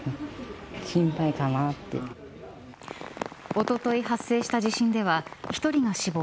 おととい発生した地震では１人が死亡。